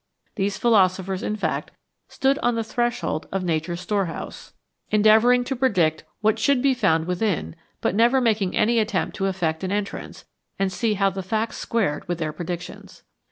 These philosophers in fact stood on the threshold of Nature's storehouse, 19 THE DAWN OF CHEMISTRY endeavouring to predict what should be found within, but never making any attempt to effect an entrance, and see how the facts squared with their predictions.